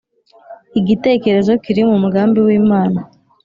igitekerezo kiri mumugambi w’imana